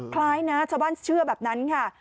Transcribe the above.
คล้ายนะชาวบ้านเชื่อแบบนั้นค่ะ